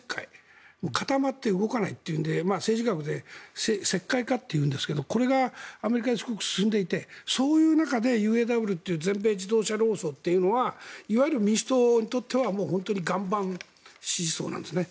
もう固まって動かないというので政治学で石灰化というんですがこれがアメリカですごく進んでいてそういう中でＵＡＷという全米自動車労組というのはいわゆる民主党にとっては岩盤支持層なんですね。